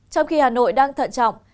trong khi hà nội đang thận trọng